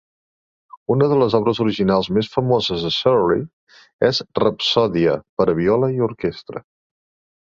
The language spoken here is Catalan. Una de les obres originals més famoses de Serly és "Rapsòdia per a viola i orquestra".